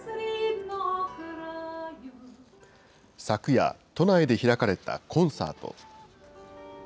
昨夜、都内で開かれたコンサート。